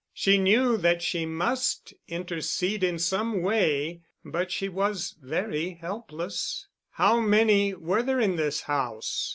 She knew that she must intercede in some way, but she was very helpless. How many were there in this house?